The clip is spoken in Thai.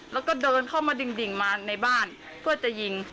แล้วก็เดินเข้ามาดิ่งมาในบ้านเพื่อจะยิง